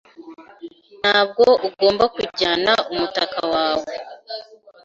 Ntabwo ugomba kujyana umutaka wawe.